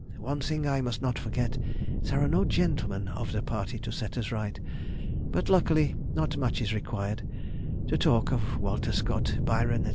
one thing I must not forget, there are no gentlemen of the party to set us right; but luckily not much is required,—to talk of Walter Scott, Byron, &c.